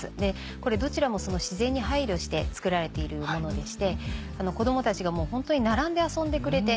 これどちらも自然に配慮して作られているものでして子供たちが本当に並んで遊んでくれて。